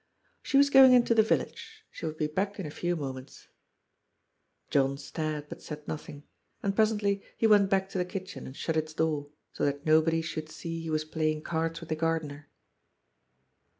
'< She was going into the village. She would be back in a few moments." John stared but said nothing, and presently he went back to the kitchen and shut its door, so that nobody should see he was playing cards with the gardener.